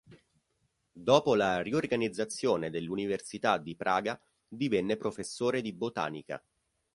Dopo la riorganizzazione dell'Università di Praga divenne professore di botanica.